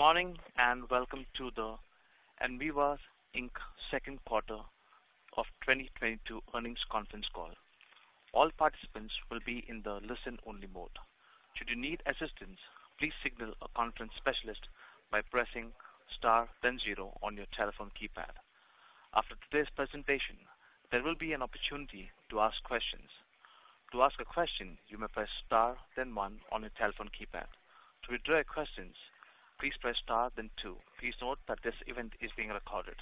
Good morning, and welcome to the Enviva Inc.'s second quarter of 2022 earnings conference call. All participants will be in the listen-only mode. Should you need assistance, please signal a conference specialist by pressing star then zero on your telephone keypad. After today's presentation, there will be an opportunity to ask questions. To ask a question, you may press star then one on your telephone keypad. To withdraw your questions, please press star then two. Please note that this event is being recorded.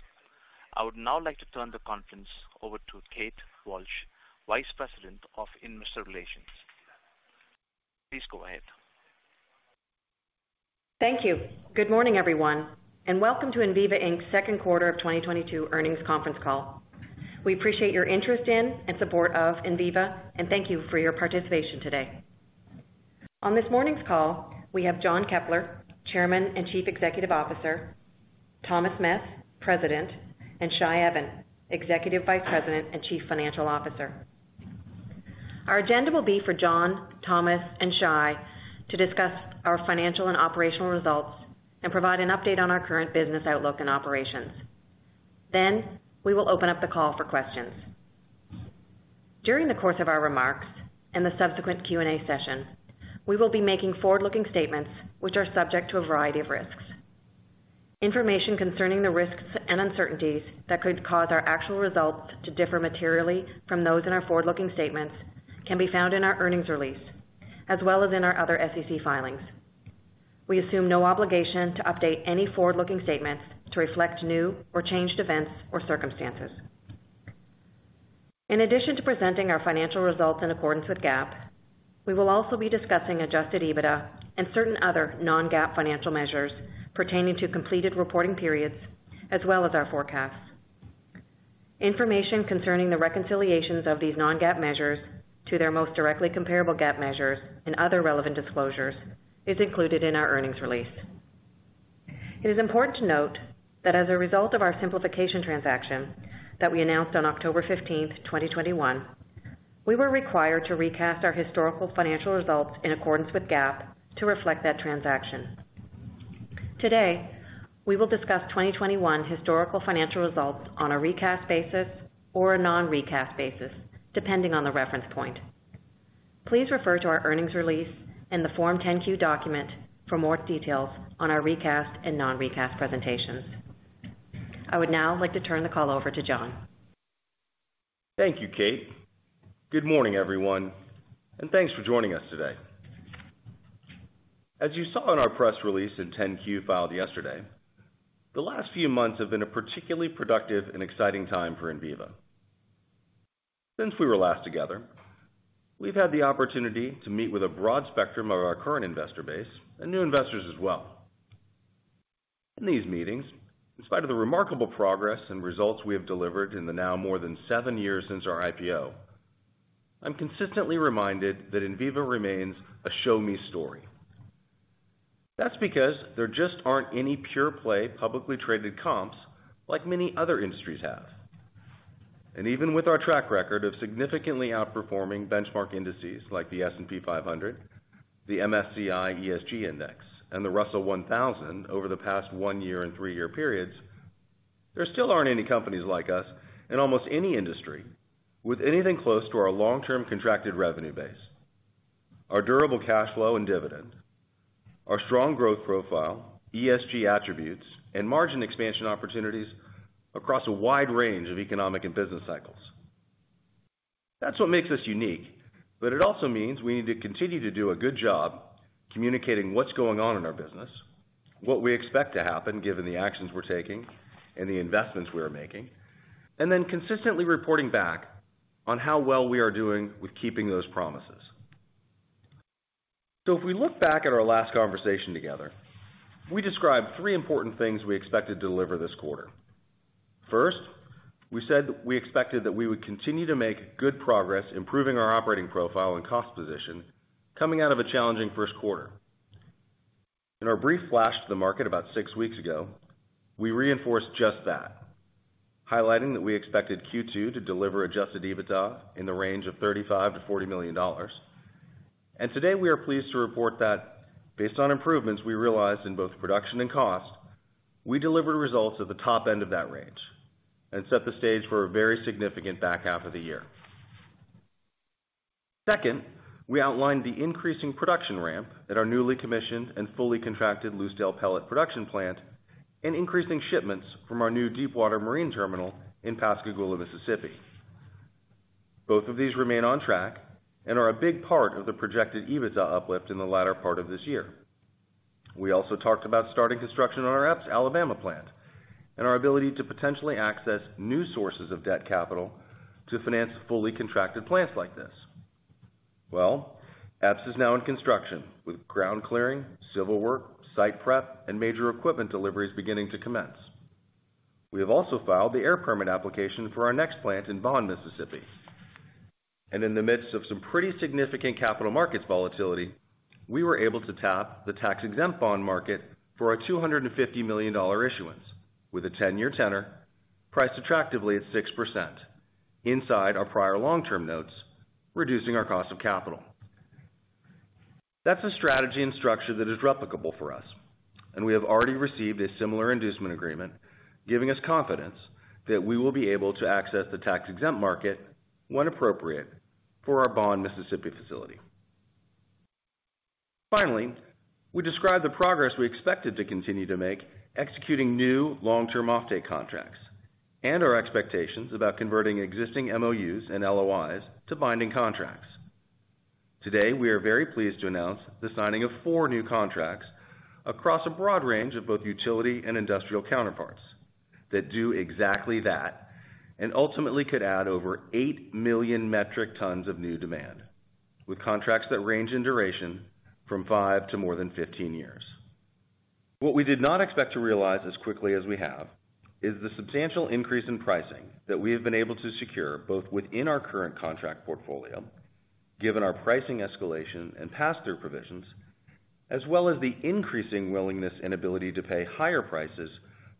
I would now like to turn the conference over to Kate Walsh, Vice President of Investor Relations. Please go ahead. Thank you. Good morning, everyone, and welcome to Enviva Inc.'s second quarter of 2022 earnings conference call. We appreciate your interest in and support of Enviva, and thank you for your participation today. On this morning's call, we have John Keppler, Chairman and Chief Executive Officer, Thomas Meth, President, and Shai Even, Executive Vice President and Chief Financial Officer. Our agenda will be for John, Thomas, and Shai to discuss our financial and operational results and provide an update on our current business outlook and operations. Then we will open up the call for questions. During the course of our remarks and the subsequent Q&A session, we will be making forward-looking statements which are subject to a variety of risks. Information concerning the risks and uncertainties that could cause our actual results to differ materially from those in our forward-looking statements can be found in our earnings release, as well as in our other SEC filings. We assume no obligation to update any forward-looking statements to reflect new or changed events or circumstances. In addition to presenting our financial results in accordance with GAAP, we will also be discussing Adjusted EBITDA and certain other Non-GAAP financial measures pertaining to completed reporting periods as well as our forecasts. Information concerning the reconciliations of these Non-GAAP measures to their most directly comparable GAAP measures and other relevant disclosures is included in our earnings release. It is important to note that as a result of our simplification transaction that we announced on October 15th, 2021, we were required to recast our historical financial results in accordance with GAAP to reflect that transaction. Today, we will discuss 2021 historical financial results on a recast basis or a non-recast basis, depending on the reference point. Please refer to our earnings release and the Form 10-Q document for more details on our recast and non-recast presentations. I would now like to turn the call over to John. Thank you, Kate. Good morning, everyone, and thanks for joining us today. As you saw in our press release and 10-Q filed yesterday, the last few months have been a particularly productive and exciting time for Enviva. Since we were last together, we've had the opportunity to meet with a broad spectrum of our current investor base and new investors as well. In these meetings, in spite of the remarkable progress and results we have delivered in the now more than seven years since our IPO, I'm consistently reminded that Enviva remains a show me story. That's because there just aren't any pure play, publicly traded comps like many other industries have. Even with our track record of significantly outperforming benchmark indices like the S&P 500, the MSCI ESG Index, and the Russell 1000 over the past 1-year and 3-year periods, there still aren't any companies like us in almost any industry with anything close to our long-term contracted revenue base, our durable cash flow and dividend, our strong growth profile, ESG attributes, and margin expansion opportunities across a wide range of economic and business cycles. That's what makes us unique. It also means we need to continue to do a good job communicating what's going on in our business, what we expect to happen, given the actions we're taking and the investments we are making, and then consistently reporting back on how well we are doing with keeping those promises. If we look back at our last conversation together, we described three important things we expected to deliver this quarter. First, we said we expected that we would continue to make good progress, improving our operating profile and cost position coming out of a challenging first quarter. In our brief flash to the market about six weeks ago, we reinforced just that, highlighting that we expected Q2 to deliver Adjusted EBITDA in the range of $35 million-$40 million. Today we are pleased to report that based on improvements we realized in both production and cost, we delivered results at the top end of that range and set the stage for a very significant back half of the year. Second, we outlined the increasing production ramp at our newly commissioned and fully contracted Lucedale pellet production plant and increasing shipments from our new deep water marine terminal in Pascagoula, Mississippi. Both of these remain on track and are a big part of the projected EBITDA uplift in the latter part of this year. We also talked about starting construction on our Epes, Alabama plant and our ability to potentially access new sources of debt capital to finance fully contracted plants like this. Well, Epes is now in construction with ground clearing, civil work, site prep, and major equipment deliveries beginning to commence. We have also filed the air permit application for our next plant in Bond, Mississippi. In the midst of some pretty significant capital markets volatility, we were able to tap the tax-exempt bond market for a $250 million issuance with a 10-year tenor priced attractively at 6%. Inside our prior long-term notes, reducing our cost of capital. That's a strategy and structure that is replicable for us, and we have already received a similar inducement agreement, giving us confidence that we will be able to access the tax-exempt market when appropriate for our Bond, Mississippi facility. Finally, we described the progress we expected to continue to make, executing new long-term offtake contracts, and our expectations about converting existing MOUs and LOIs to binding contracts. Today, we are very pleased to announce the signing of four new contracts across a broad range of both utility and industrial counterparts that do exactly that and ultimately could add over 8 million metric tons of new demand, with contracts that range in duration from five to more than 15 years. What we did not expect to realize as quickly as we have is the substantial increase in pricing that we have been able to secure, both within our current contract portfolio, given our pricing escalation and pass-through provisions, as well as the increasing willingness and ability to pay higher prices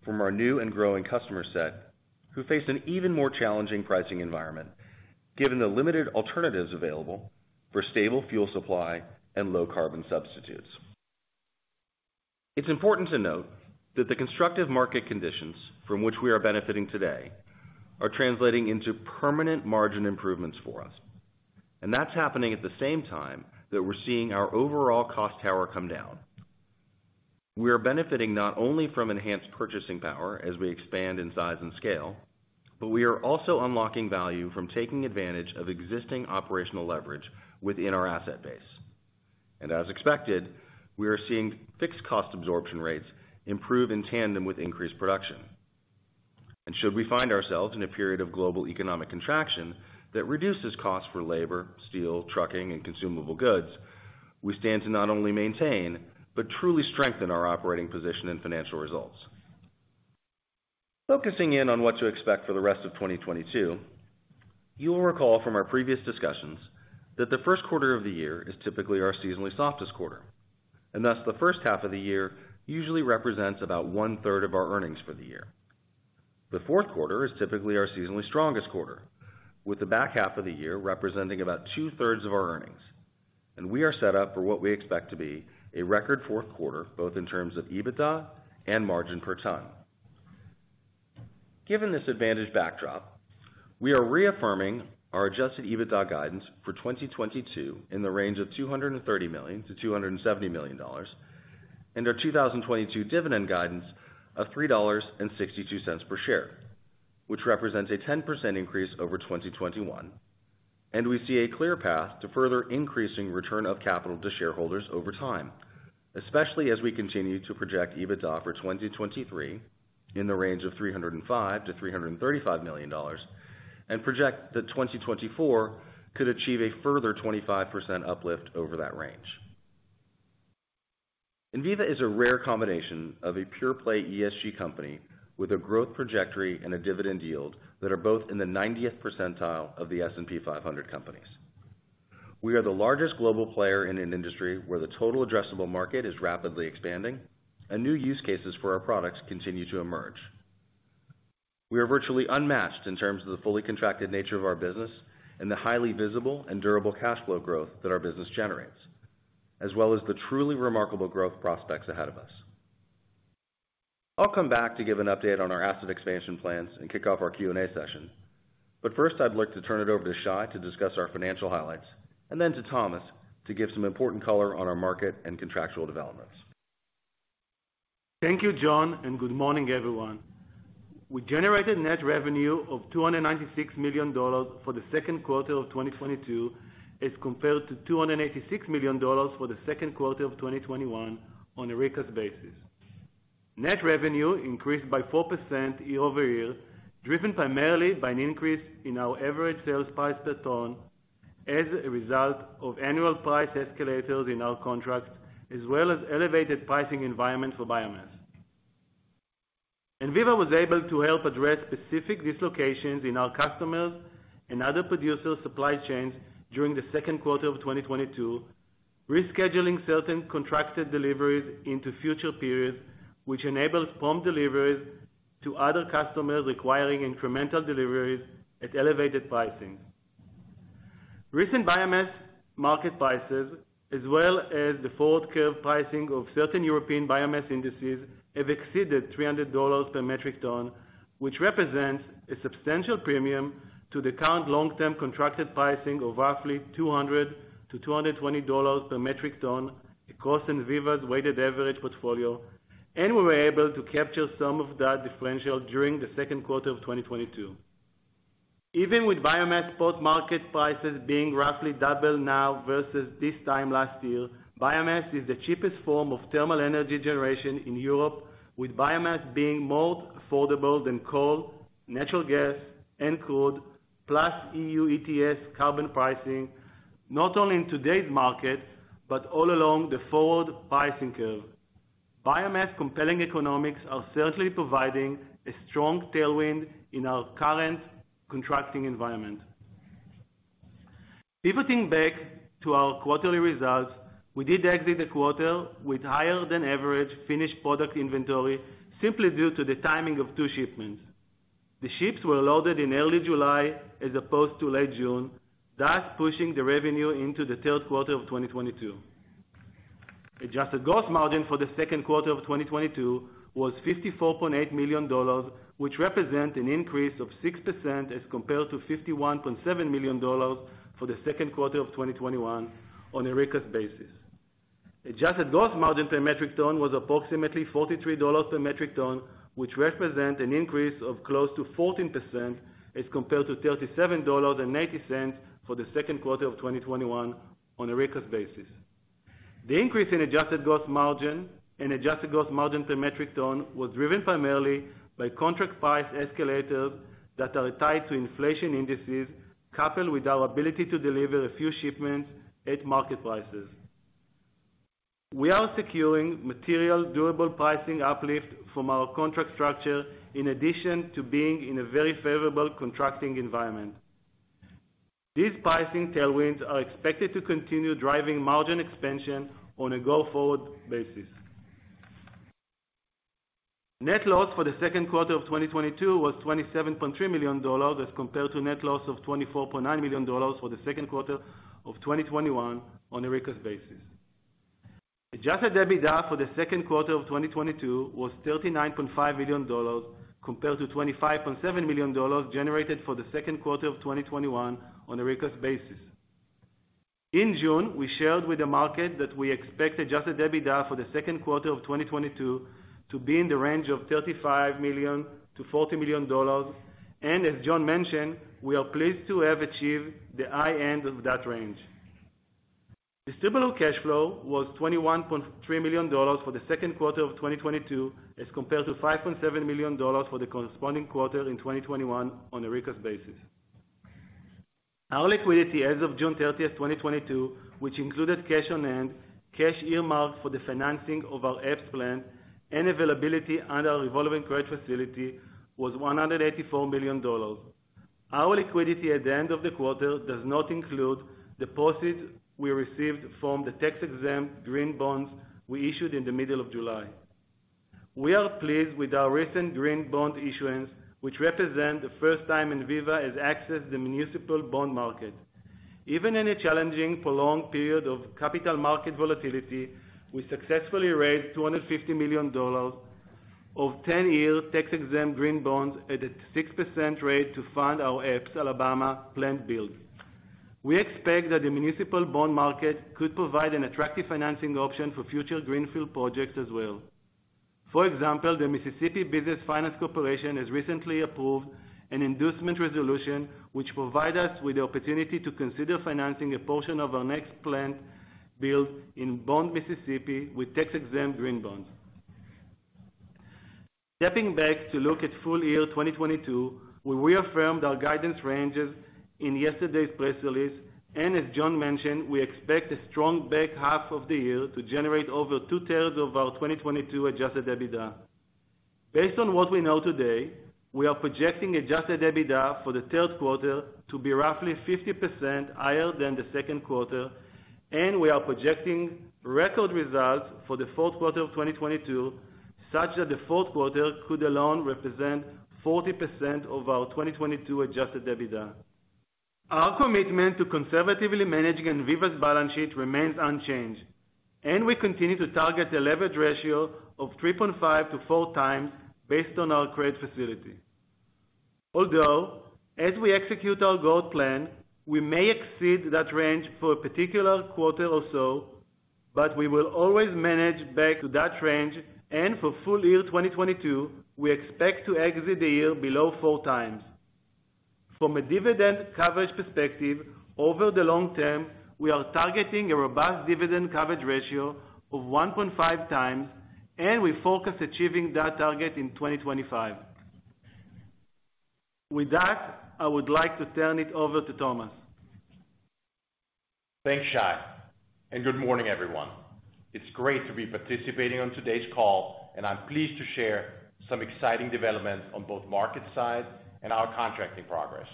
from our new and growing customer set, who faced an even more challenging pricing environment, given the limited alternatives available for stable fuel supply and low carbon substitutes. It's important to note that the constructive market conditions from which we are benefiting today are translating into permanent margin improvements for us, and that's happening at the same time that we're seeing our overall cost tower come down. We are benefiting not only from enhanced purchasing power as we expand in size and scale, but we are also unlocking value from taking advantage of existing operational leverage within our asset base. As expected, we are seeing fixed cost absorption rates improve in tandem with increased production. Should we find ourselves in a period of global economic contraction that reduces costs for labor, steel, trucking, and consumable goods, we stand to not only maintain, but truly strengthen our operating position and financial results. Focusing in on what to expect for the rest of 2022, you will recall from our previous discussions that the first quarter of the year is typically our seasonally softest quarter, and thus the first half of the year usually represents about 1/3 of our earnings for the year. The fourth quarter is typically our seasonally strongest quarter, with the back half of the year representing about two-thirds of our earnings. We are set up for what we expect to be a record fourth quarter, both in terms of EBITDA and margin per ton. Given this advantageous backdrop, we are reaffirming our Adjusted EBITDA guidance for 2022 in the range of $230 million-$270 million, and our 2022 dividend guidance of $3.62 per share, which represents a 10% increase over 2021. We see a clear path to further increasing return of capital to shareholders over time, especially as we continue to project EBITDA for 2023 in the range of $305 million-$335 million, and project that 2024 could achieve a further 25% uplift over that range. Enviva is a rare combination of a pure play ESG company with a growth trajectory and a dividend yield that are both in the 90th percentile of the S&P 500 companies. We are the largest global player in an industry where the total addressable market is rapidly expanding and new use cases for our products continue to emerge. We are virtually unmatched in terms of the fully contracted nature of our business and the highly visible and durable cash flow growth that our business generates, as well as the truly remarkable growth prospects ahead of us. I'll come back to give an update on our asset expansion plans and kick off our Q&A session. First, I'd like to turn it over to Shai to discuss our financial highlights, and then to Thomas to give some important color on our market and contractual developments. Thank you, John, and good morning, everyone. We generated net revenue of $296 million for the second quarter of 2022, as compared to $286 million for the second quarter of 2021 on a recast basis. Net revenue increased by 4% year-over-year, driven primarily by an increase in our average sales price per ton as a result of annual price escalators in our contracts, as well as elevated pricing environment for biomass. Enviva was able to help address specific dislocations in our customers and other producers' supply chains during the second quarter of 2022, rescheduling certain contracted deliveries into future periods, which enabled prompt deliveries to other customers requiring incremental deliveries at elevated pricing. Recent biomass market prices, as well as the forward curve pricing of certain European biomass indices, have exceeded $300 per metric ton, which represents a substantial premium to the current long-term contracted pricing of roughly $200-$220 per metric ton across Enviva's weighted average portfolio, and we were able to capture some of that differential during the second quarter of 2022. Even with biomass spot market prices being roughly double now versus this time last year, biomass is the cheapest form of thermal energy generation in Europe, with biomass being more affordable than coal, natural gas, and crude, plus EU ETS carbon pricing, not only in today's market, but all along the forward pricing curve. Biomass compelling economics are certainly providing a strong tailwind in our current contracting environment. Pivoting back to our quarterly results, we did exit the quarter with higher than average finished product inventory simply due to the timing of two shipments. The ships were loaded in early July as opposed to late June, thus pushing the revenue into the third quarter of 2022. Adjusted gross margin for the second quarter of 2022 was $54.8 million, which represent an increase of 6% as compared to $51.7 million for the second quarter of 2021 on a recourse basis. Adjusted gross margin per metric ton was approximately $43 per metric ton, which represent an increase of close to 14% as compared to $37.80 for the second quarter of 2021 on a recourse basis. The increase in adjusted gross margin and adjusted gross margin per metric ton was driven primarily by contract price escalators that are tied to inflation indices, coupled with our ability to deliver a few shipments at market prices. We are securing material durable pricing uplift from our contract structure in addition to being in a very favorable contracting environment. These pricing tailwinds are expected to continue driving margin expansion on a go-forward basis. Net loss for the second quarter of 2022 was $27.3 million as compared to net loss of $24.9 million for the second quarter of 2021 on a reported basis. Adjusted EBITDA for the second quarter of 2022 was $39.5 million compared to $25.7 million generated for the second quarter of 2021 on a reported basis. In June, we shared with the market that we expect Adjusted EBITDA for the second quarter of 2022 to be in the range of $35 million-$40 million, and as John mentioned, we are pleased to have achieved the high end of that range. Distributable cash flow was $21.3 million for the second quarter of 2022, as compared to $5.7 million for the corresponding quarter in 2021 on a records basis. Our liquidity as of June 30th, 2022, which included cash on hand, cash earmarked for the financing of our Epes plant, and availability under our revolving credit facility was $184 million. Our liquidity at the end of the quarter does not include the proceeds we received from the tax-exempt green bonds we issued in the middle of July. We are pleased with our recent green bond issuance, which represent the first time Enviva has accessed the municipal bond market. Even in a challenging prolonged period of capital market volatility, we successfully raised $250 million of 10-year tax-exempt green bonds at a 6% rate to fund our Epes, Alabama plant build. We expect that the municipal bond market could provide an attractive financing option for future greenfield projects as well. For example, the Mississippi Business Finance Corporation has recently approved an inducement resolution which provide us with the opportunity to consider financing a portion of our next plant build in Bond, Mississippi with tax-exempt green bonds. Stepping back to look at full year 2022, we reaffirmed our guidance ranges in yesterday's press release, and as John mentioned, we expect a strong back half of the year to generate over two-thirds of our 2022 Adjusted EBITDA. Based on what we know today, we are projecting Adjusted EBITDA for the third quarter to be roughly 50% higher than the second quarter, and we are projecting record results for the fourth quarter of 2022, such that the fourth quarter could alone represent 40% of our 2022 Adjusted EBITDA. Our commitment to conservatively managing Enviva's balance sheet remains unchanged, and we continue to target a leverage ratio of 3.5x-4x based on our credit facility. Although, as we execute our growth plan, we may exceed that range for a particular quarter or so, but we will always manage back to that range. For full year 2022, we expect to exit the year below 4x. From a dividend coverage perspective, over the long term, we are targeting a robust dividend coverage ratio of 1.5x, and we forecast achieving that target in 2025. With that, I would like to turn it over to Thomas. Thanks, Shai, and good morning, everyone. It's great to be participating on today's call, and I'm pleased to share some exciting developments on both market side and our contracting progress.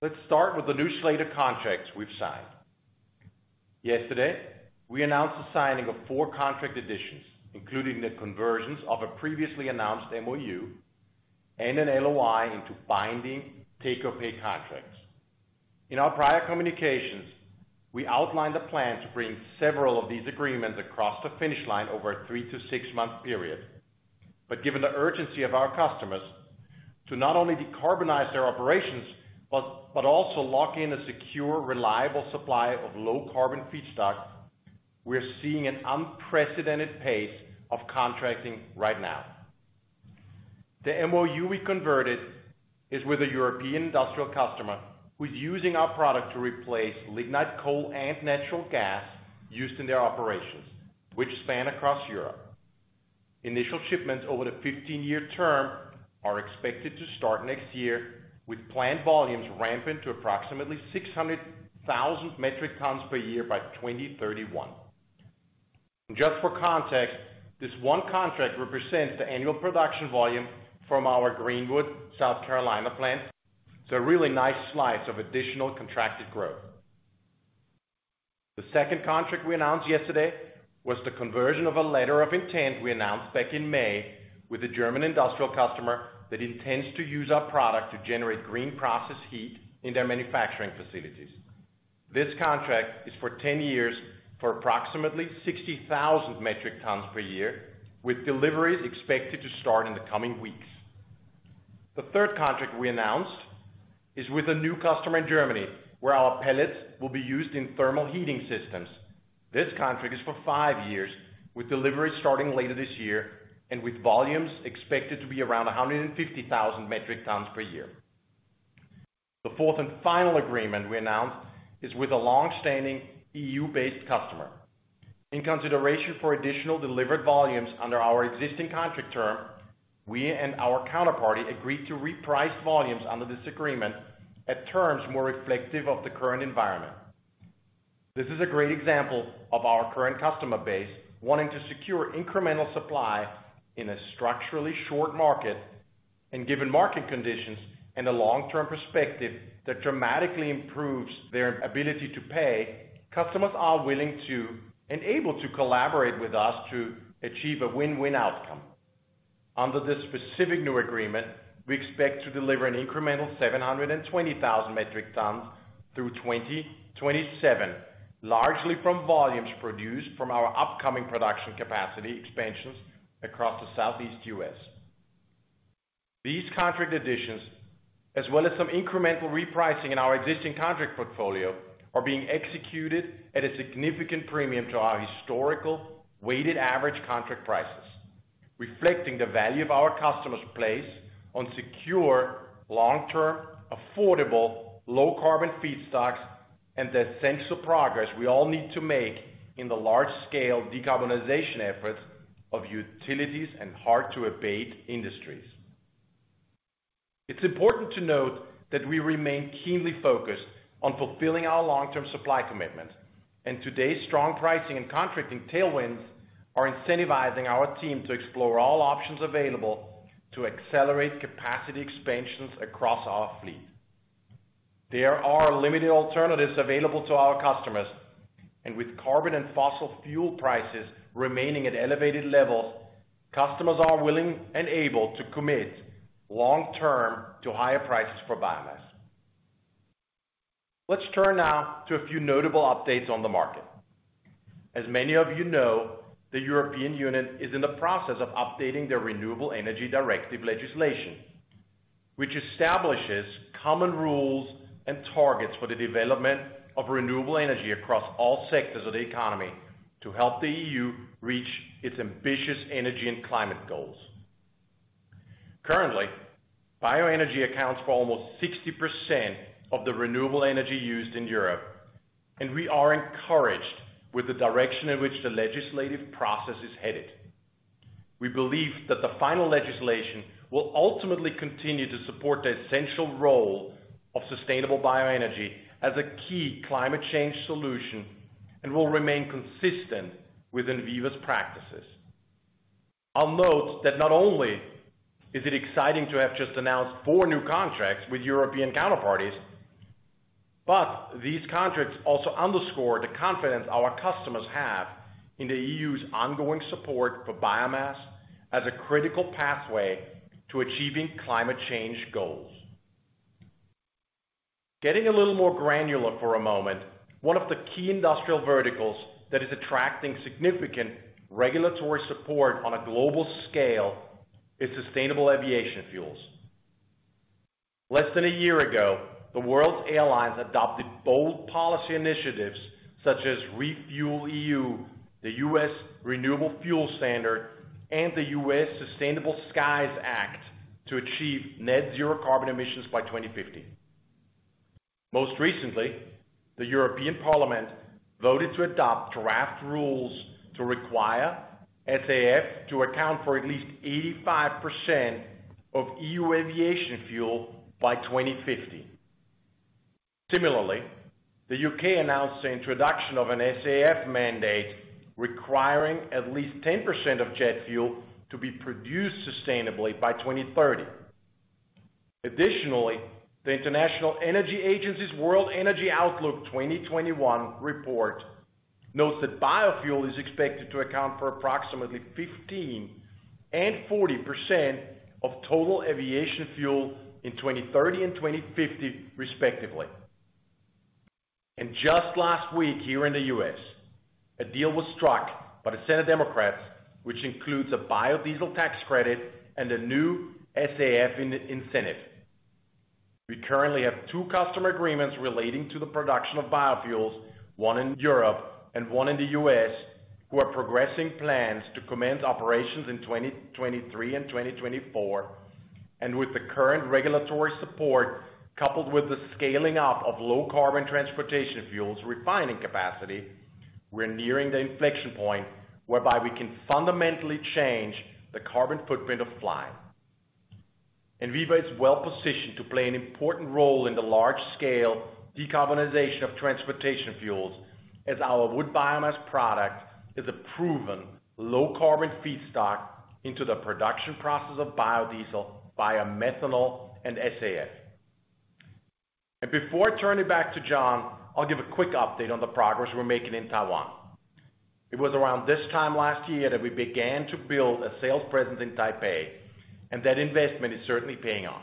Let's start with the new slate of contracts we've signed. Yesterday, we announced the signing of 4 contract additions, including the conversions of a previously announced MOU and an LOI into binding take-or-pay contracts. In our prior communications, we outlined a plan to bring several of these agreements across the finish line over a 3-months-6-month period. Given the urgency of our customers to not only decarbonize their operations, but also lock in a secure, reliable supply of low-carbon feedstock, we're seeing an unprecedented pace of contracting right now. The MOU we converted is with a European industrial customer who's using our product to replace lignite coal and natural gas used in their operations, which span across Europe. Initial shipments over the 15-year term are expected to start next year, with planned volumes ramping to approximately 600,000 metric tons per year by 2031. Just for context, this one contract represents the annual production volume from our Greenwood, South Carolina plant. It's a really nice slice of additional contracted growth. The second contract we announced yesterday was the conversion of a letter of intent we announced back in May with a German industrial customer that intends to use our product to generate green process heat in their manufacturing facilities. This contract is for 10 years for approximately 60,000 metric tons per year, with deliveries expected to start in the coming weeks. The third contract we announced is with a new customer in Germany, where our pellets will be used in thermal heating systems. This contract is for five years, with deliveries starting later this year and with volumes expected to be around 150,000 metric tons per year. The fourth and final agreement we announced is with a long-standing EU-based customer. In consideration for additional delivered volumes under our existing contract term, we and our counterparty agreed to reprice volumes under this agreement at terms more reflective of the current environment. This is a great example of our current customer base wanting to secure incremental supply in a structurally short market. Given market conditions and the long-term perspective that dramatically improves their ability to pay, customers are willing to and able to collaborate with us to achieve a win-win outcome. Under this specific new agreement, we expect to deliver an incremental 720,000 metric tons through 2027, largely from volumes produced from our upcoming production capacity expansions across the Southeast U.S. These contract additions, as well as some incremental repricing in our existing contract portfolio, are being executed at a significant premium to our historical weighted average contract prices, reflecting the value of our customers' place on secure, long-term, affordable, low carbon feedstocks, and the sense of progress we all need to make in the large-scale decarbonization efforts of utilities and hard to abate industries. It's important to note that we remain keenly focused on fulfilling our long-term supply commitments, and today's strong pricing and contracting tailwinds are incentivizing our team to explore all options available to accelerate capacity expansions across our fleet. There are limited alternatives available to our customers, and with carbon and fossil fuel prices remaining at elevated levels, customers are willing and able to commit long-term to higher prices for biomass. Let's turn now to a few notable updates on the market. As many of you know, the European Union is in the process of updating their Renewable Energy Directive legislation, which establishes common rules and targets for the development of renewable energy across all sectors of the economy to help the EU reach its ambitious energy and climate goals. Currently, bioenergy accounts for almost 60% of the renewable energy used in Europe, and we are encouraged with the direction in which the legislative process is headed. We believe that the final legislation will ultimately continue to support the essential role of sustainable bioenergy as a key climate change solution and will remain consistent with Enviva's practices. I'll note that not only is it exciting to have just announced four new contracts with European counterparties, but these contracts also underscore the confidence our customers have in the EU's ongoing support for biomass as a critical pathway to achieving climate change goals. Getting a little more granular for a moment, one of the key industrial verticals that is attracting significant regulatory support on a global scale is sustainable aviation fuels. Less than a year ago, the world's airlines adopted bold policy initiatives such as ReFuelEU, the U.S. Renewable Fuel Standard, and the U.S. Sustainable Skies Act to achieve net zero carbon emissions by 2050. Most recently, the European Parliament voted to adopt draft rules to require SAF to account for at least 85% of EU aviation fuel by 2050. Similarly, the U.K. announced the introduction of an SAF mandate requiring at least 10% of jet fuel to be produced sustainably by 2030. Additionally, the International Energy Agency's World Energy Outlook 2021 report notes that biofuel is expected to account for approximately 15% and 40% of total aviation fuel in 2030 and 2050 respectively. Just last week here in the US, a deal was struck by the Senate Democrats, which includes a biodiesel tax credit and a new SAF incentive. We currently have two customer agreements relating to the production of biofuels, one in Europe and one in the U.S., who are progressing plans to commence operations in 2023 and 2024, and with the current regulatory support, coupled with the scaling up of low carbon transportation fuels refining capacity, we're nearing the inflection point whereby we can fundamentally change the carbon footprint of flying. Enviva is well positioned to play an important role in the large scale decarbonization of transportation fuels as our wood biomass product is a proven low carbon feedstock into the production process of biodiesel via methanol and SAF. Before I turn it back to John, I'll give a quick update on the progress we're making in Taiwan. It was around this time last year that we began to build a sales presence in Taipei, and that investment is certainly paying off.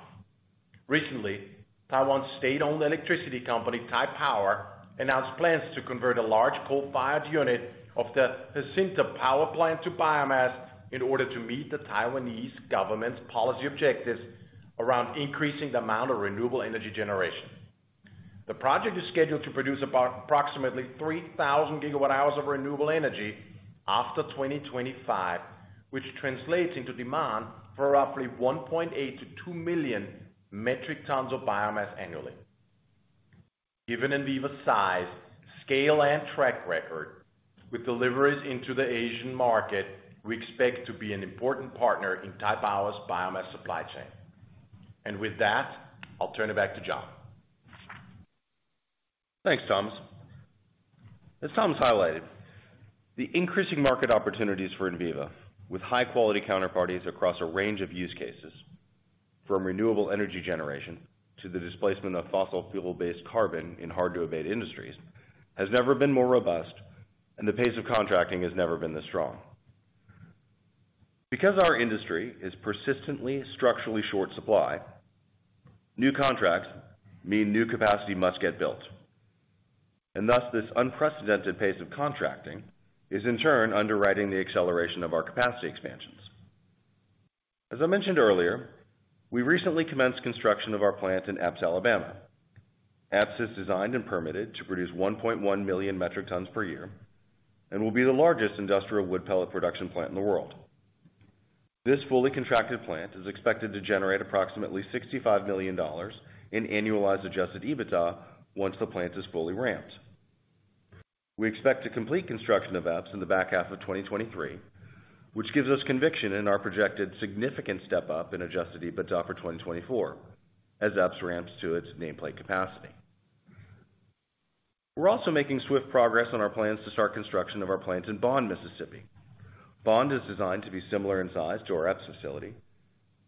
Recently, Taiwan's state-owned electricity company, Taipower, announced plans to convert a large coal-fired unit of the Hsinchu power plant to biomass in order to meet the Taiwanese government's policy objectives around increasing the amount of renewable energy generation. The project is scheduled to produce about approximately 3,000 GWh of renewable energy after 2025, which translates into demand for roughly 1.8 million-2 million metric tons of biomass annually. Given Enviva's size, scale, and track record with deliveries into the Asian market, we expect to be an important partner in Taipower's biomass supply chain. With that, I'll turn it back to John. Thanks, Thomas. As Thomas highlighted, the increasing market opportunities for Enviva with high-quality counterparties across a range of use cases from renewable energy generation to the displacement of fossil fuel-based carbon in hard to abate industries has never been more robust, and the pace of contracting has never been this strong. Because our industry is persistently structurally short supply, new contracts mean new capacity must get built. This unprecedented pace of contracting is in turn underwriting the acceleration of our capacity expansions. As I mentioned earlier, we recently commenced construction of our plant in Epes, Alabama. Epes is designed and permitted to produce 1.1 million metric tons per year and will be the largest industrial wood pellet production plant in the world. This fully contracted plant is expected to generate approximately $65 million in annualized Adjusted EBITDA once the plant is fully ramped. We expect to complete construction of Epes in the back half of 2023, which gives us conviction in our projected significant step-up in Adjusted EBITDA for 2024 as Epes ramps to its nameplate capacity. We're also making swift progress on our plans to start construction of our plants in Bond, Mississippi. Bond is designed to be similar in size to our Epes facility,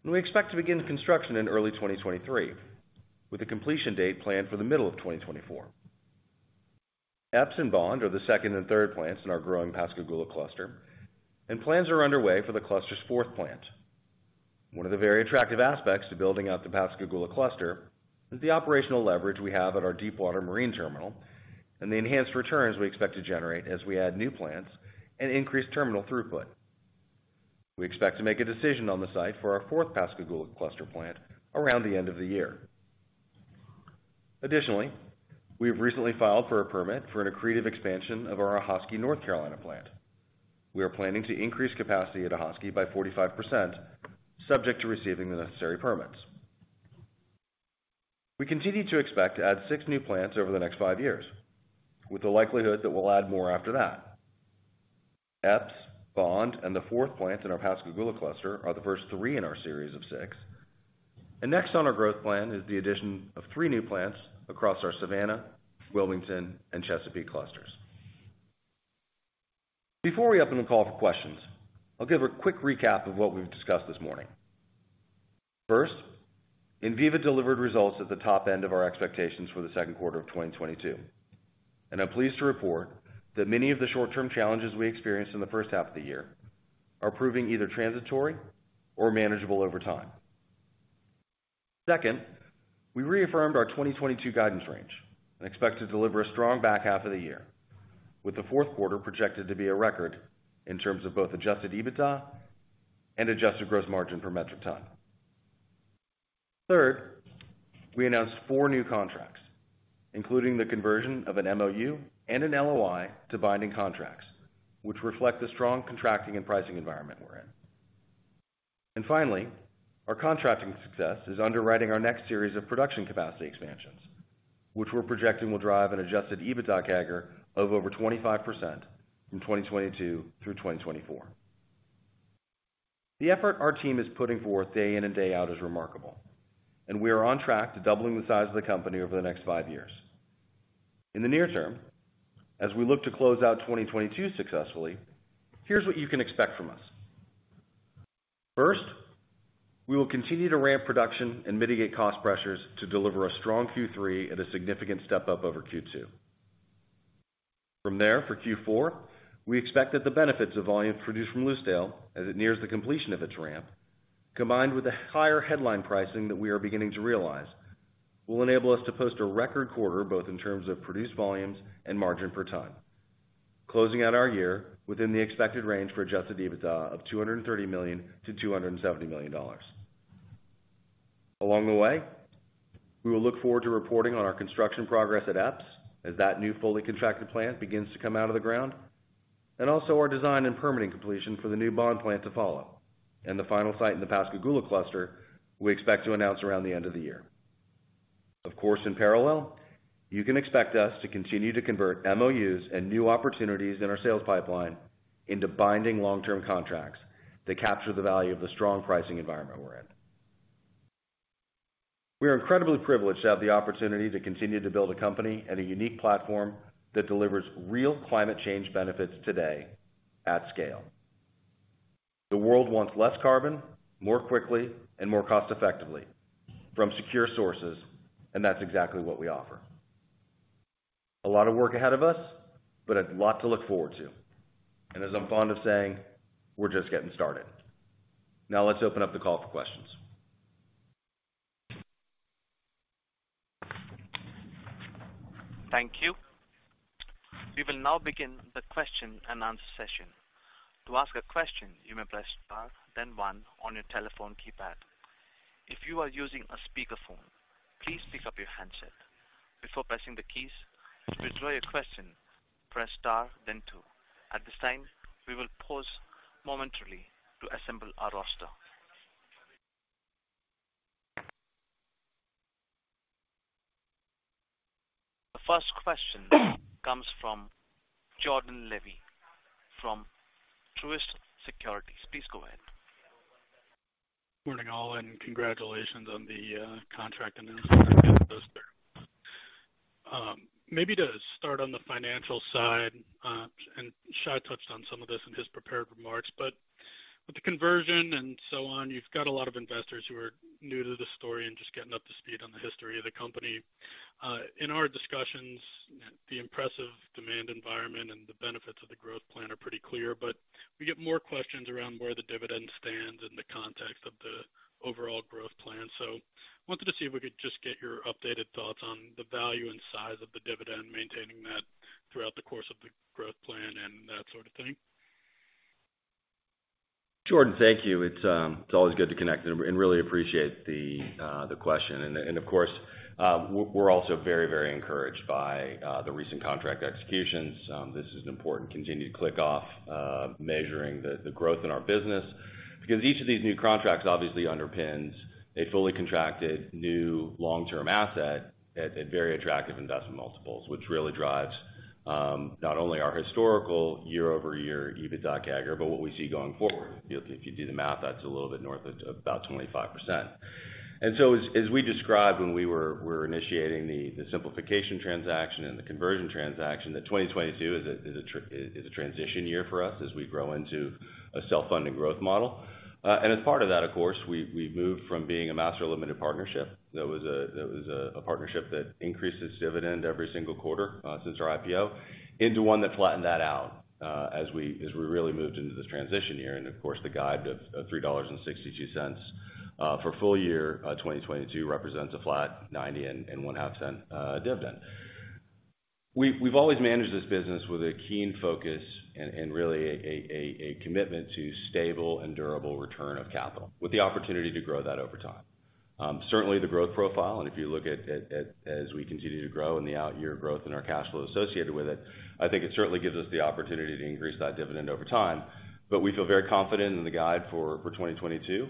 and we expect to begin construction in early 2023, with a completion date planned for the middle of 2024. Epes and Bond are the second and third plants in our growing Pascagoula cluster, and plans are underway for the cluster's fourth plant. One of the very attractive aspects to building out the Pascagoula cluster is the operational leverage we have at our deep water marine terminal and the enhanced returns we expect to generate as we add new plants and increase terminal throughput. We expect to make a decision on the site for our fourth Pascagoula cluster plant around the end of the year. Additionally, we have recently filed for a permit for an accretive expansion of our Ahoskie, North Carolina plant. We are planning to increase capacity at Ahoskie by 45%, subject to receiving the necessary permits. We continue to expect to add 6 new plants over the next 5 years with the likelihood that we'll add more after that. Epes, Bond, and the fourth plant in our Pascagoula cluster are the first 3 in our series of 6. Next on our growth plan is the addition of 3 new plants across our Savannah, Wilmington, and Chesapeake clusters. Before we open the call for questions, I'll give a quick recap of what we've discussed this morning. First, Enviva delivered results at the top end of our expectations for the second quarter of 2022, and I'm pleased to report that many of the short-term challenges we experienced in the first half of the year are proving either transitory or manageable over time. Second, we reaffirmed our 2022 guidance range and expect to deliver a strong back half of the year, with the fourth quarter projected to be a record in terms of both adjusted EBITDA and adjusted gross margin per metric ton. Third, we announced 4 new contracts, including the conversion of an MOU and an LOI to binding contracts, which reflect the strong contracting and pricing environment we're in. Finally, our contracting success is underwriting our next series of production capacity expansions, which we're projecting will drive an adjusted EBITDA CAGR of over 25% from 2022 through 2024. The effort our team is putting forth day in and day out is remarkable, and we are on track to doubling the size of the company over the next five years. In the near term, as we look to close out 2022 successfully, here's what you can expect from us. First, we will continue to ramp production and mitigate cost pressures to deliver a strong Q3 at a significant step-up over Q2. From there, for Q4, we expect that the benefits of volume produced from Lucedale as it nears the completion of its ramp, combined with the higher headline pricing that we are beginning to realize, will enable us to post a record quarter, both in terms of produced volumes and margin per ton, closing out our year within the expected range for Adjusted EBITDA of $230 million-$270 million. Along the way, we will look forward to reporting on our construction progress at Epes as that new fully contracted plant begins to come out of the ground, and also our design and permitting completion for the new Bond plant to follow. The final site in the Pascagoula cluster, we expect to announce around the end of the year. Of course, in parallel, you can expect us to continue to convert MOUs and new opportunities in our sales pipeline into binding long-term contracts that capture the value of the strong pricing environment we're in. We are incredibly privileged to have the opportunity to continue to build a company and a unique platform that delivers real climate change benefits today at scale. The world wants less carbon more quickly and more cost effectively from secure sources, and that's exactly what we offer. A lot of work ahead of us, but a lot to look forward to. As I'm fond of saying, we're just getting started. Now let's open up the call for questions. Thank you. We will now begin the question and answer session. To ask a question, you may press star then one on your telephone keypad. If you are using a speakerphone, please pick up your handset before pressing the keys. To withdraw your question, press star then two. At this time, we will pause momentarily to assemble our roster. The first question comes from Jordan Levy from Truist Securities. Please go ahead. Morning all, congratulations on the contract. Maybe to start on the financial side, Shai touched on some of this in his prepared remarks, but with the conversion and so on, you've got a lot of investors who are new to the story and just getting up to speed on the history of the company. In our discussions, the impressive demand environment and the benefits of the growth plan are pretty clear. We get more questions around where the dividend stands in the context of the overall growth plan. Wanted to see if we could just get your updated thoughts on the value and size of the dividend, maintaining that throughout the course of the growth plan and that sort of thing. Jordan, thank you. It's always good to connect and really appreciate the question. Of course, we're also very encouraged by the recent contract executions. This is an important continued check off measuring the growth in our business because each of these new contracts obviously underpins a fully contracted new long-term asset at very attractive investment multiples, which really drives not only our historical year-over-year EBITDA CAGR, but what we see going forward. If you do the math, that's a little bit north of about 25%. As we described when we were initiating the simplification transaction and the conversion transaction, 2022 is a transition year for us as we grow into a self-funding growth model. As part of that, of course, we moved from being a master limited partnership. That was a partnership that increases dividend every single quarter since our IPO into one that flattened that out as we really moved into this transition year. Of course, the guide of $3.62 for full year 2022 represents a flat $0.905 dividend. We've always managed this business with a keen focus and really a commitment to stable and durable return of capital with the opportunity to grow that over time. Certainly the growth profile, and if you look at as we continue to grow and the out year growth in our cash flow associated with it, I think it certainly gives us the opportunity to increase that dividend over time. We feel very confident in the guide for 2022.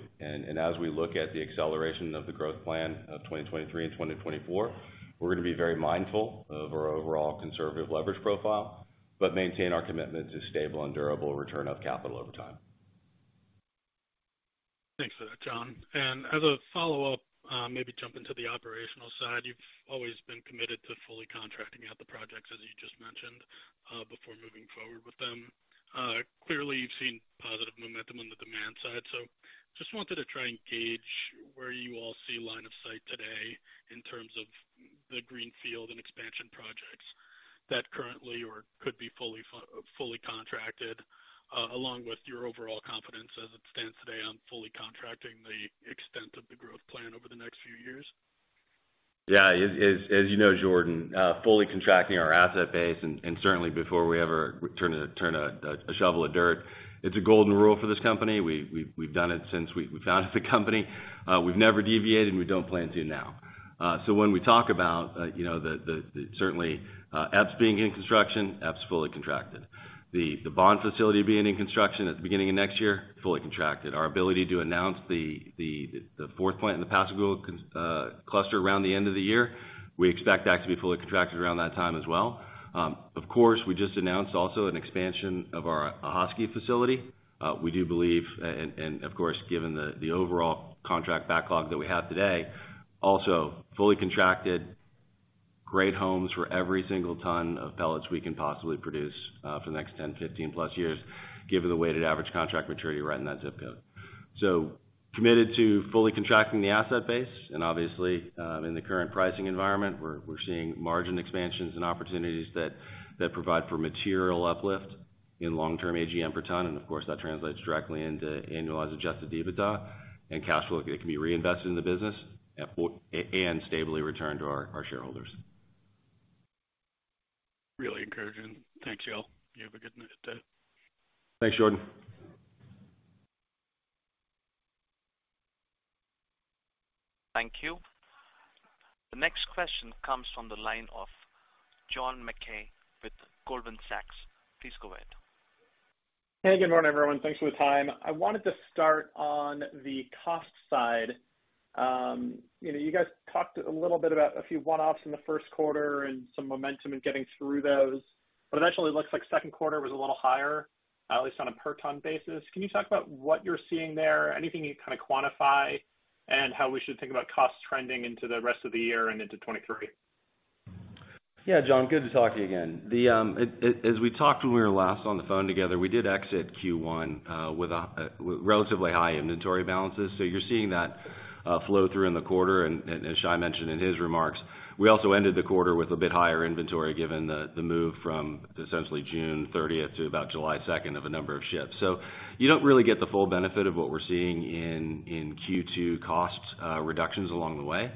As we look at the acceleration of the growth plan of 2023 and 2024, we're gonna be very mindful of our overall conservative leverage profile, but maintain our commitment to stable and durable return of capital over time. Thanks for that, John. As a follow-up, maybe jump into the operational side. You've always been committed to fully contracting out the projects, as you just mentioned, before moving forward with them. Clearly you've seen positive momentum on the demand side. Just wanted to try and gauge where you all see line of sight today in terms of the greenfield and expansion projects that currently or could be fully contracted, along with your overall confidence as it stands today on fully contracting the extent of the growth plan over the next few years. Yeah. As you know, Jordan, fully contracting our asset base and certainly before we ever turn a shovel of dirt, it's a golden rule for this company. We've done it since we founded the company. We've never deviated, and we don't plan to now. When we talk about, you know, certainly Epes being in construction, Epes fully contracted. The Bond facility being in construction at the beginning of next year, fully contracted. Our ability to announce the fourth plant in the Pascagoula cluster around the end of the year, we expect that to be fully contracted around that time as well. Of course, we just announced also an expansion of our Ahoskie facility. We do believe and of course, given the overall contract backlog that we have today, also fully contracted great homes for every single ton of pellets we can possibly produce, for the next 10, 15+ years, given the weighted average contract maturity right in that zip code. Committed to fully contracting the asset base. Obviously, in the current pricing environment, we're seeing margin expansions and opportunities that provide for material uplift in long-term AGM per ton. Of course, that translates directly into annualized Adjusted EBITDA and cash flow that can be reinvested in the business and stably returned to our shareholders. Really encouraging. Thanks y'all. You have a good night. Thanks, Jordan. Thank you. The next question comes from the line of John Mackay with Goldman Sachs. Please go ahead. Hey, good morning, everyone. Thanks for the time. I wanted to start on the cost side. You know, you guys talked a little bit about a few one-offs in the first quarter and some momentum in getting through those, but eventually looks like second quarter was a little higher, at least on a per ton basis. Can you talk about what you're seeing there? Anything you kinda quantify and how we should think about costs trending into the rest of the year and into 2023? Yeah. John, good to talk to you again. As we talked when we were last on the phone together, we did exit Q1 with relatively high inventory balances. You're seeing that flow through in the quarter. As Shai mentioned in his remarks, we also ended the quarter with a bit higher inventory, given the move from essentially June thirtieth to about July second of a number of ships. You don't really get the full benefit of what we're seeing in Q2 costs reductions along the way.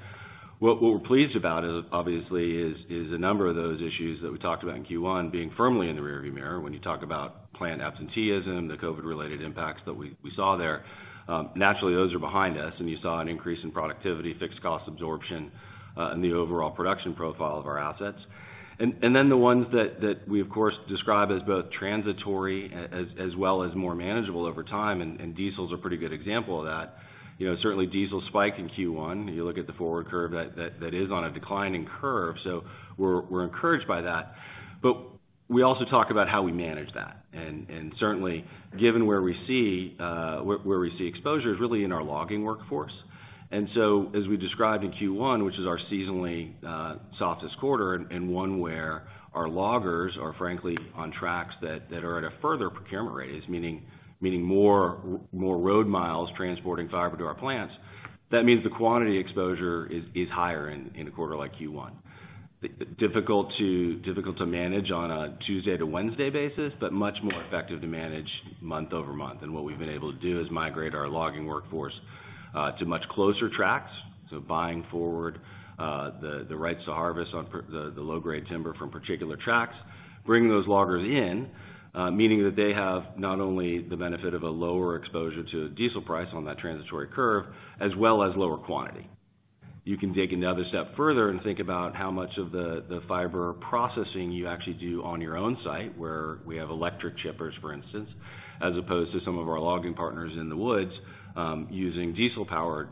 What we're pleased about is obviously a number of those issues that we talked about in Q1 being firmly in the rearview mirror when you talk about plant absenteeism, the COVID-related impacts that we saw there. Naturally, those are behind us, and you saw an increase in productivity, fixed cost absorption, in the overall production profile of our assets. The ones that we of course describe as both transitory as well as more manageable over time, and diesel is a pretty good example of that. You know, certainly diesel spiked in Q1. You look at the forward curve that is on a declining curve. We're encouraged by that. We also talk about how we manage that. Certainly given where we see exposure is really in our logging workforce. As we described in Q1, which is our seasonally softest quarter and one where our loggers are frankly on tracts that are at a further procurement rate, meaning more road miles transporting fiber to our plants, that means the quantity exposure is higher in a quarter like Q1. Difficult to manage on a Tuesday to Wednesday basis, but much more effective to manage month-over-month. What we've been able to do is migrate our logging workforce to much closer tracts. Buying forward the rights to harvest on the low-grade timber from particular tracts, bringing those loggers in, meaning that they have not only the benefit of a lower exposure to diesel price on that transitory curve as well as lower quantity. You can dig another step further and think about how much of the fiber processing you actually do on your own site, where we have electric chippers, for instance, as opposed to some of our logging partners in the woods, using diesel-powered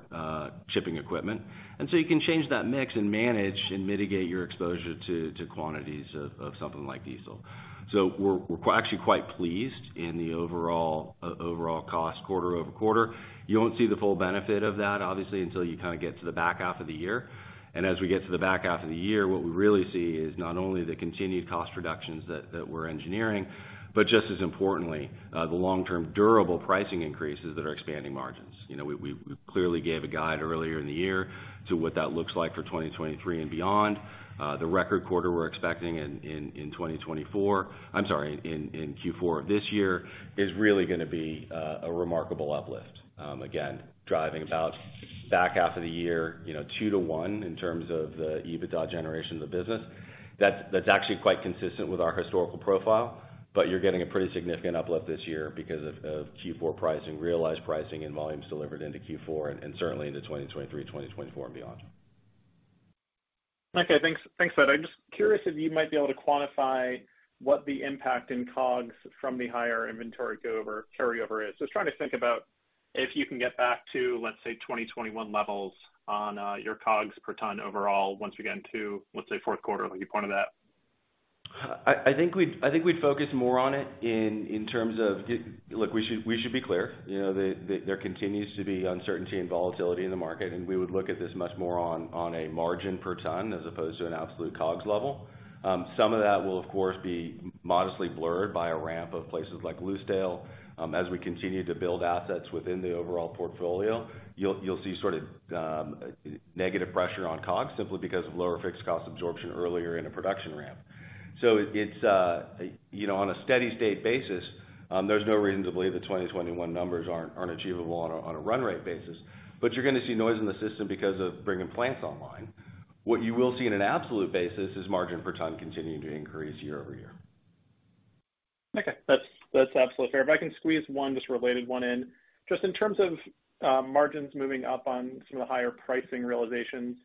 chipping equipment. You can change that mix and manage and mitigate your exposure to quantities of something like diesel. We're actually quite pleased in the overall cost quarter-over-quarter. You won't see the full benefit of that, obviously, until you kind of get to the back half of the year. As we get to the back half of the year, what we really see is not only the continued cost reductions that we're engineering, but just as importantly, the long-term durable pricing increases that are expanding margins. You know, we clearly gave a guide earlier in the year to what that looks like for 2023 and beyond. The record quarter we're expecting in Q4 of this year is really gonna be a remarkable uplift, again, driving the back half of the year, you know, two to one in terms of the EBITDA generation of the business. That's actually quite consistent with our historical profile, but you're getting a pretty significant uplift this year because of Q4 pricing, realized pricing, and volumes delivered into Q4 and certainly into 2023, 2024 and beyond. Thanks. Thanks, Bud. I'm just curious if you might be able to quantify what the impact in COGS from the higher inventory carryover is. Just trying to think about if you can get back to, let's say, 2021 levels on your COGS per ton overall once again to, let's say, fourth quarter. Will you comment on that? I think we'd focus more on it in terms of. Look, we should be clear. You know, there continues to be uncertainty and volatility in the market, and we would look at this much more on a margin per ton as opposed to an absolute COGS level. Some of that will, of course, be modestly blurred by a ramp of places like Lucedale. As we continue to build assets within the overall portfolio, you'll see sort of negative pressure on COGS simply because of lower fixed cost absorption earlier in a production ramp. It's you know, on a steady-state basis, there's no reason to believe the 2021 numbers aren't achievable on a run rate basis. You're gonna see noise in the system because of bringing plants online. What you will see in an absolute basis is margin per ton continuing to increase year-over-year. Okay. That's absolutely fair. If I can squeeze one, just a related one in. Just in terms of margins moving up on some of the higher pricing realizations,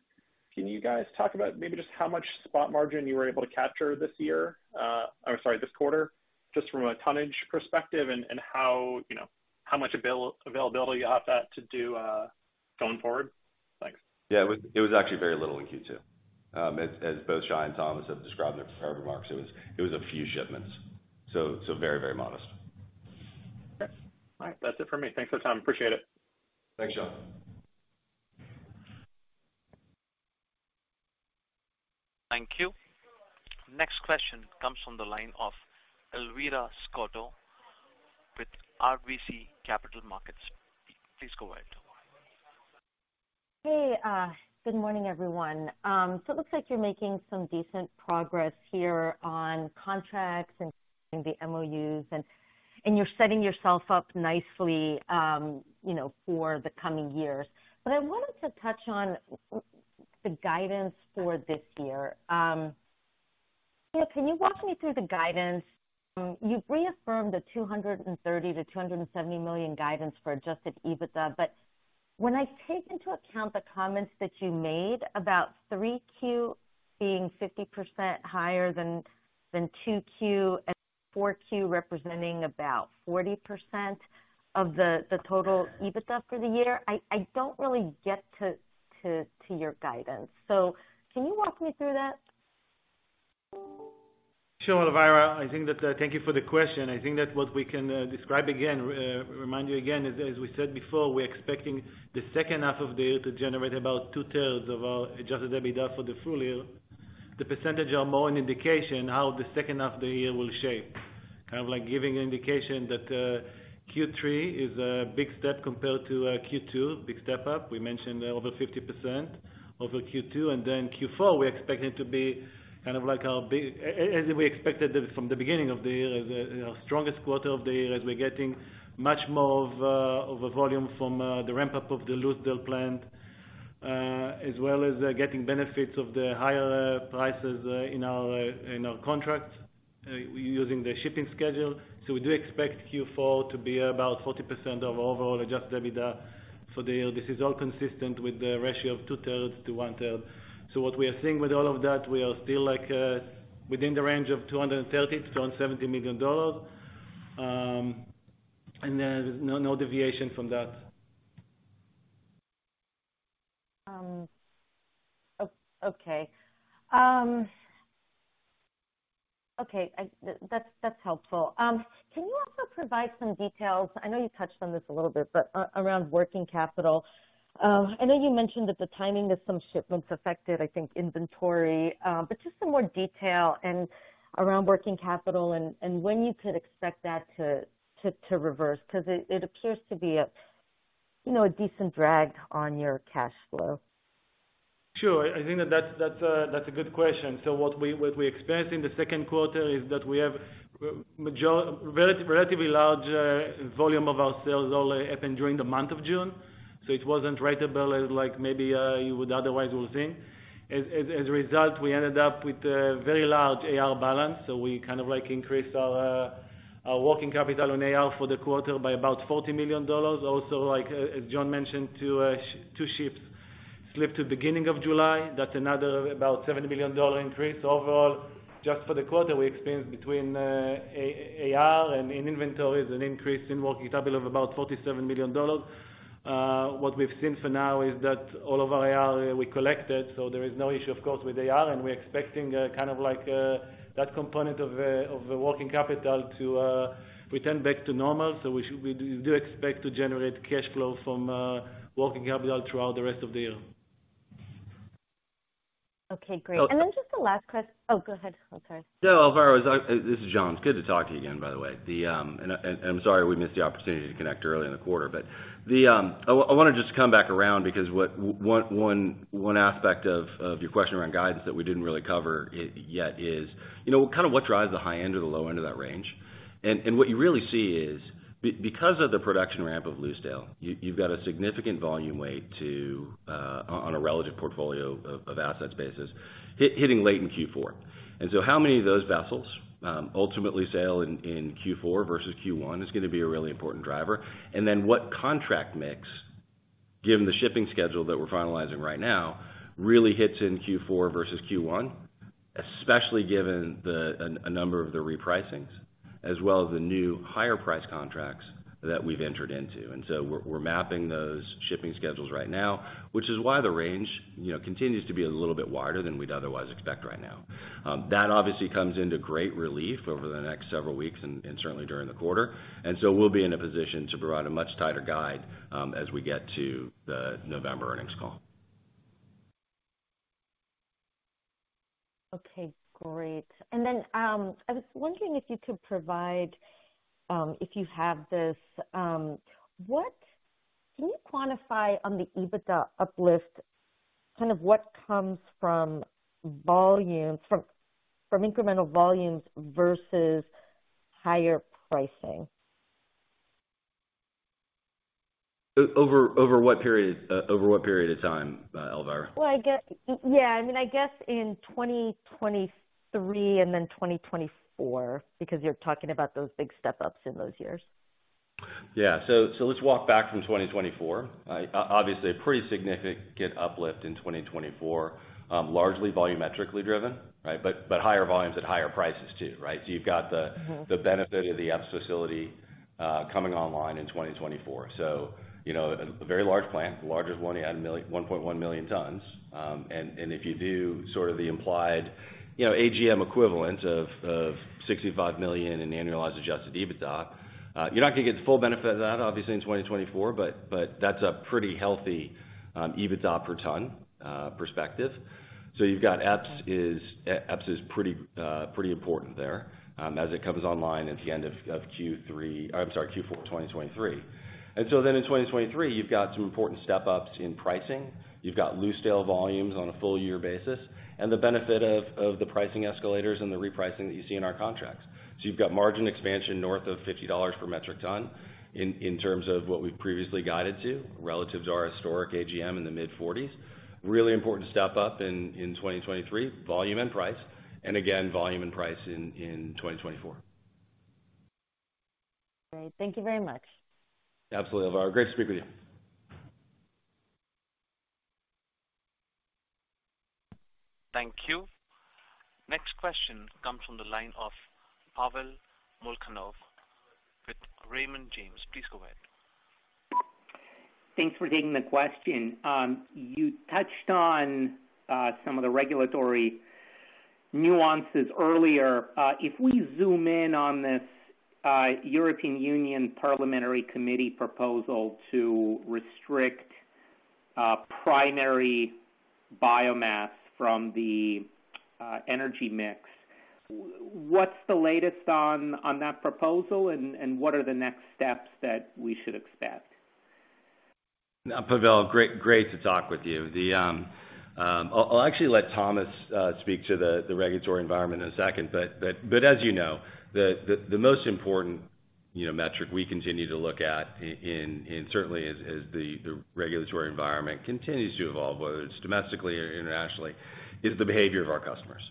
can you guys talk about maybe just how much spot margin you were able to capture this year? I'm sorry, this quarter, just from a tonnage perspective and how, you know, how much availability you have that to do going forward? Thanks. Yeah. It was actually very little in Q2. As both Shai and Thomas have described in their prior remarks, it was a few shipments, so very modest. Okay. All right. That's it for me. Thanks for the time. Appreciate it. Thanks, John. Thank you. Next question comes from the line of Elvira Scotto with RBC Capital Markets. Please go ahead. Hey. Good morning, everyone. So it looks like you're making some decent progress here on contracts and the MOUs, and you're setting yourself up nicely, you know, for the coming years. I wanted to touch on the guidance for this year. So can you walk me through the guidance? You've reaffirmed the $230 million-$270 million guidance for Adjusted EBITDA, but when I take into account the comments that you made about 3Q being 50% higher than 2Q and 4Q representing about 40% of the total EBITDA for the year, I don't really get to your guidance. So can you walk me through that? Sure, Elvira. I think that, thank you for the question. I think that what we can describe again, remind you again, as we said before, we're expecting the second half of the year to generate about two-thirds of our Adjusted EBITDA for the full year. The percentage are more an indication how the second half of the year will shape. Kind of like giving an indication that, Q3 is a big step compared to, Q2, big step up. We mentioned over 50% over Q2, and then Q4, we're expecting to be kind of like our big. As we expected it from the beginning of the year, the, you know, strongest quarter of the year as we're getting much more of a volume from the ramp-up of the Lucedale plant, as well as getting benefits of the higher prices in our contracts using the shipping schedule. We do expect Q4 to be about 40% of overall Adjusted EBITDA for the year. This is all consistent with the ratio of two-thirds to one-third. What we are seeing with all of that, we are still like within the range of $230 million-$270 million. No deviation from that. Okay, that's helpful. Can you also provide some details? I know you touched on this a little bit, but around working capital. I know you mentioned that the timing of some shipments affected, I think, inventory, but just some more detail around working capital and when you could expect that to reverse, 'cause it appears to be, you know, a decent drag on your cash flow. Sure. I think that's a good question. What we experienced in the second quarter is that we have major, relatively large volume of our sales all happened during the month of June, so it wasn't ratable as like maybe you would otherwise think. As a result, we ended up with a very large AR balance, so we kind of like increased our working capital on AR for the quarter by about $40 million. Also, as John mentioned, two ships slipped to beginning of July. That's another about $7 million increase. Overall, just for the quarter, we experienced between AR and inventories an increase in working capital of about $47 million. What we've seen for now is that all of our AR we collected, so there is no issue of course with AR, and we're expecting, kind of like, that component of the working capital to return back to normal. We do expect to generate cash flow from working capital throughout the rest of the year. Okay, great. So- Oh, go ahead. I'm sorry. No, Elvira, this is John. It's good to talk to you again, by the way. I'm sorry we missed the opportunity to connect earlier in the quarter. I wanna just come back around because one aspect of your question around guidance that we didn't really cover yet is, you know, kind of what drives the high end or the low end of that range. What you really see is because of the production ramp of Lucedale, you've got a significant volume weight to on a relative portfolio of assets basis, hitting late in Q4. How many of those vessels ultimately sail in Q4 versus Q1 is gonna be a really important driver. What contract mix, given the shipping schedule that we're finalizing right now, really hits in Q4 versus Q1, especially given a number of the repricings, as well as the new higher price contracts that we've entered into. We're mapping those shipping schedules right now, which is why the range, you know, continues to be a little bit wider than we'd otherwise expect right now. That obviously comes into great relief over the next several weeks and certainly during the quarter. We'll be in a position to provide a much tighter guide as we get to the November earnings call. Okay, great. I was wondering if you could provide, if you have this. Can you quantify on the EBITDA uplift, kind of what comes from volume, from incremental volumes versus higher pricing? Over what period of time, Elvira? Well, yeah, I mean, I guess in 2023 and then 2024, because you're talking about those big step-ups in those years. Yeah. Let's walk back from 2024. Obviously a pretty significant uplift in 2024, largely volumetrically driven, right? Higher volumes at higher prices too, right? You've got the Mm-hmm. The benefit of the Epes facility coming online in 2024. You know, a very large plant, the largest one at 1.1 million tons. If you do sort of the implied, you know, AGM equivalent of $65 million in annualized Adjusted EBITDA, you're not gonna get the full benefit of that obviously in 2024, but that's a pretty healthy EBITDA per ton perspective. Epes is pretty important there, as it comes online at the end of Q4 2023. In 2023, you've got some important step-ups in pricing. You've got Lucedale volumes on a full year basis, and the benefit of the pricing escalators and the repricing that you see in our contracts. You've got margin expansion north of $50 per metric ton in terms of what we've previously guided to, relative to our historic AGM in the mid-40s. Really important step up in 2023, volume and price, and again, volume and price in 2024. Great. Thank you very much. Absolutely, Elvira. Great to speak with you. Thank you. Next question comes from the line of Pavel Molchanov with Raymond James. Please go ahead. Thanks for taking the question. You touched on some of the regulatory nuances earlier. If we zoom in on this European Parliament proposal to restrict primary biomass from the energy mix, what's the latest on that proposal? What are the next steps that we should expect? Pavel, great to talk with you. I'll actually let Thomas speak to the regulatory environment in a second. But as you know, the most important, you know, metric we continue to look at in, and certainly as the regulatory environment continues to evolve, whether it's domestically or internationally, is the behavior of our customers.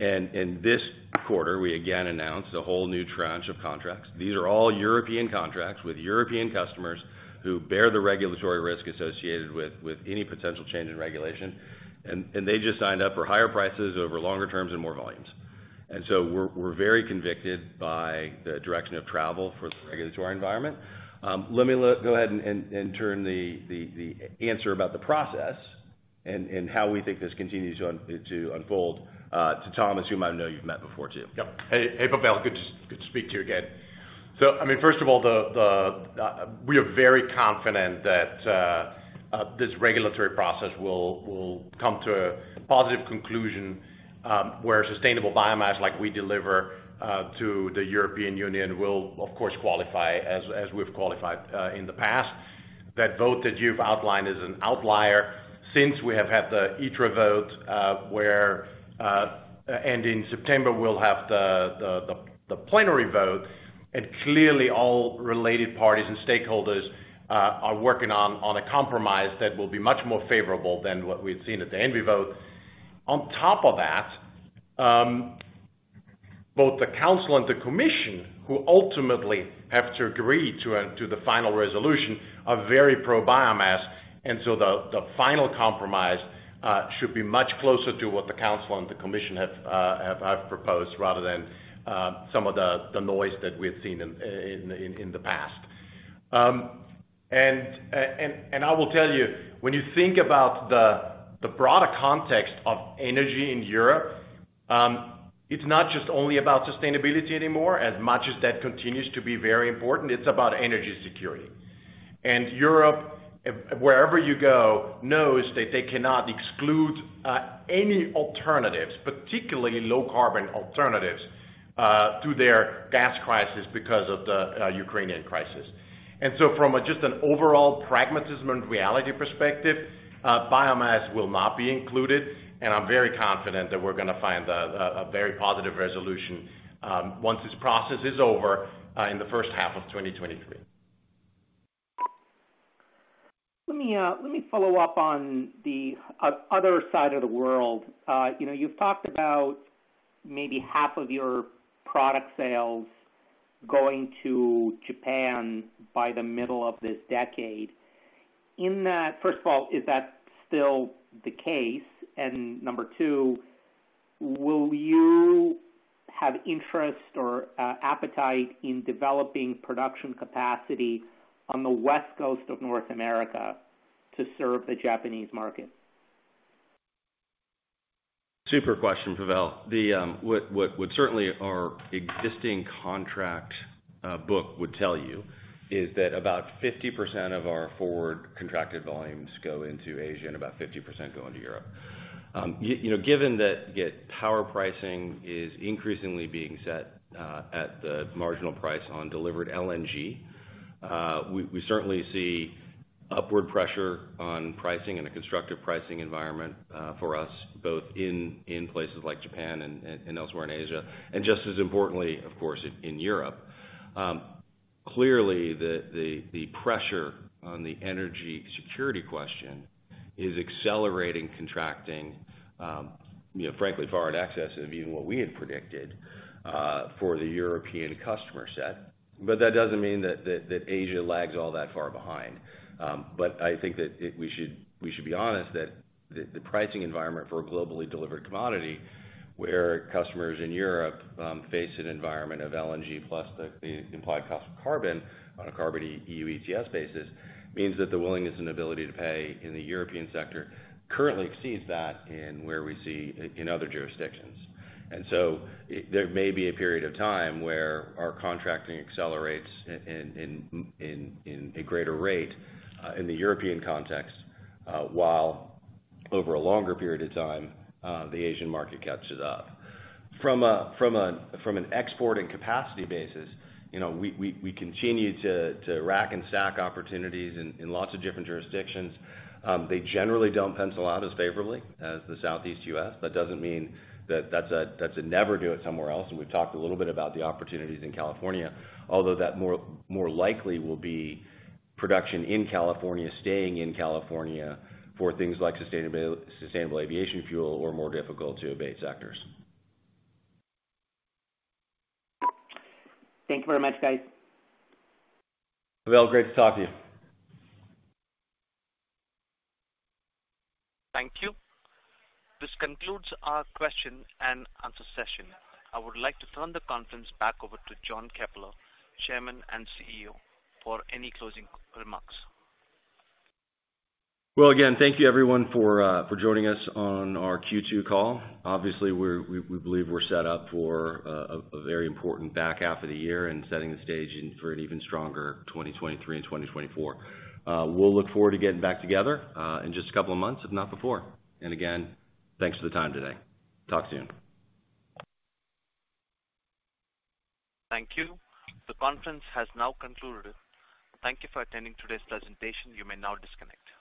In this quarter, we again announced a whole new tranche of contracts. These are all European contracts with European customers who bear the regulatory risk associated with any potential change in regulation. They just signed up for higher prices over longer terms and more volumes. We're very convicted by the direction of travel for the regulatory environment. Let me look. Go ahead and turn the answer about the process and how we think this continues to unfold to Thomas, whom I know you've met before too. Yep. Hey, Pavel. Good to speak to you again. I mean, first of all, we are very confident that this regulatory process will come to a positive conclusion, where sustainable biomass, like we deliver, to the European Union will of course qualify as we've qualified in the past. That vote that you've outlined is an outlier since we have had the ITRE vote, where and in September, we'll have the plenary vote. Clearly all related parties and stakeholders are working on a compromise that will be much more favorable than what we've seen at the ENVI vote. On top of that, both the council and the commission who ultimately have to agree to the final resolution are very pro-biomass. The final compromise should be much closer to what the council and the commission have proposed rather than some of the noise that we've seen in the past. I will tell you, when you think about the broader context of energy in Europe, it's not just only about sustainability anymore as much as that continues to be very important, it's about energy security. Europe, wherever you go, knows that they cannot exclude any alternatives, particularly low carbon alternatives through their gas crisis because of the Ukrainian crisis. From just an overall pragmatism and reality perspective, biomass will not be excluded. I'm very confident that we're gonna find a very positive resolution once this process is over in the first half of 2023. Let me follow up on the other side of the world. You know, you've talked about maybe half of your product sales going to Japan by the middle of this decade. First of all, is that still the case? Number two, will you have interest or appetite in developing production capacity on the West Coast of North America to serve the Japanese market? Super question, Pavel. Certainly our existing contract book would tell you is that about 50% of our forward contracted volumes go into Asia and about 50% go into Europe. You know, given that power pricing is increasingly being set at the marginal price on delivered LNG, we certainly see upward pressure on pricing and a constructive pricing environment for us both in places like Japan and elsewhere in Asia, and just as importantly, of course, in Europe. Clearly the pressure on the energy security question is accelerating contracting, you know, frankly far in excess of even what we had predicted for the European customer set. That doesn't mean that Asia lags all that far behind. I think that we should be honest that the pricing environment for a globally delivered commodity where customers in Europe face an environment of LNG+ the implied cost of carbon on a carbon EU ETS basis means that the willingness and ability to pay in the European sector currently exceeds that in where we see in other jurisdictions. There may be a period of time where our contracting accelerates in a greater rate in the European context while over a longer period of time the Asian market catches up. From an export and capacity basis, you know, we continue to rack and stack opportunities in lots of different jurisdictions. They generally don't pencil out as favorably as the Southeast U.S. That doesn't mean that that's a never do it somewhere else, and we've talked a little bit about the opportunities in California, although that more likely will be production in California, staying in California for things like sustainable aviation fuel or more difficult-to-abate sectors. Thank you very much, guys. Pavel, great to talk to you. Thank you. This concludes our question and answer session. I would like to turn the conference back over to John Keppler, Chairman and CEO, for any closing remarks. Well, again, thank you everyone for joining us on our Q2 call. Obviously, we believe we're set up for a very important back half of the year and setting the stage for an even stronger 2023 and 2024. We'll look forward to getting back together in just a couple of months, if not before. Again, thanks for the time today. Talk soon. Thank you. The conference has now concluded. Thank you for attending today's presentation. You may now disconnect.